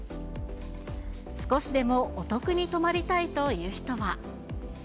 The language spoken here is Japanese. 少しでもお得に泊まりたいという人は。